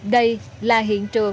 đây là hiện trường